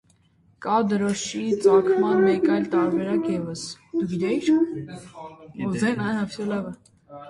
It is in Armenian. Կա դրոշի ծագման մեկ այլ տարբերակ ևս։